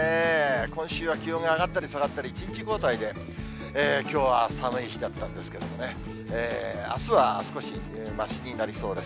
今週は気温が上がったり下がったり、１日交代で、きょうは寒い日だったんですけどね、あすは少しましになりそうです。